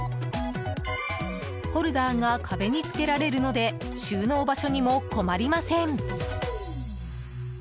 ホルダーが壁に付けられるので収納場所にも困りません。